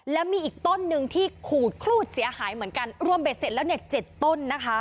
และมีอีกต้นนึงที่ขูดคลูดเสียหายเหมือนกันรวมไปเสร็จแล้ว๗ต้น